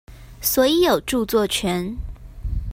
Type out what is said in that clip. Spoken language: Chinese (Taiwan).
所以有著作權